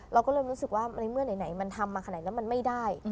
เราก็เริ่มรู้สึกว่าในเมื่อไหนมันทำมาขนาดไหนแล้วมันไม่ได้